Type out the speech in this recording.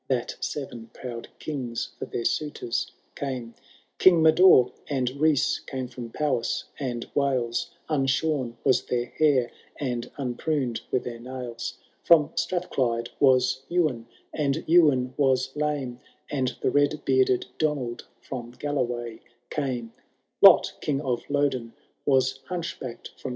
That seven proud kings for their suiton came. King Mador and Rhys came from Powis and Wales, Unshom waa theix hair, and unpruned were their na^ ; 166 HAROLD THS DAUMTLBSe. GufltO IV. From Strath Clwyde was Ewain, and Ewain was lame. And the led bearded Donald from Galloway came. Lot, King of Lodon, was hunchbacked ftom.